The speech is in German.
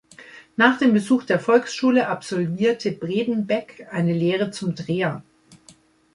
Nach dem Besuch der Volksschule absolvierte Bredenbeck eine Lehre zum Dreher.